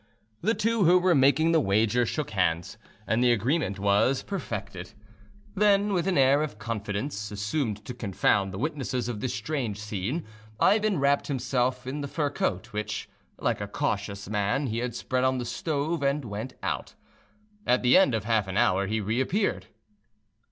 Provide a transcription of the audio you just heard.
The two who were making the wager shook hands, and the agreement was perfected. Then, with an air of confidence, assumed to confound the witnesses of this strange scene, Ivan wrapped himself in the fur coat which, like a cautious man, he had spread on the stove, and went out. At the end of half an hour he reappeared.